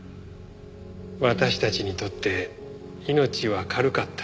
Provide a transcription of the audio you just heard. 私たちにとって命は軽かった。